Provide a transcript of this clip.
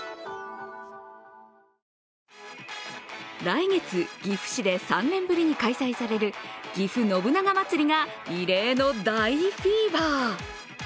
来月、岐阜市で３年ぶりに開催されるぎふ信長まつりが異例の大フィーバー。